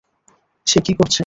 সে কী করছে?